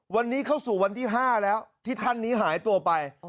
วันนี้เข้าสู่วันที่๕แล้วที่ท่านนี้หายตัวไป